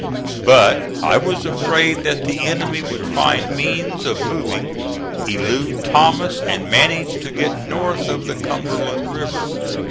But I was afraid that the enemy would find means of moving, elude Thomas and manage to get north of the Cumberland River.